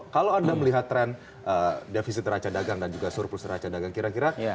kalau anda melihat tren defisit neraca dagang dan juga surplus neraca dagang kira kira